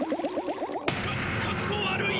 かかっこ悪い。